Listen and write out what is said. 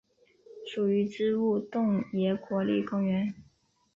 属于支笏洞爷国立公园。